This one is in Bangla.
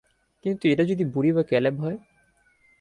কিন্তু এটা যদি বুড়ি বা ক্যালেব হয়?